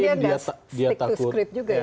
mungkin dia tidak stick to script juga ya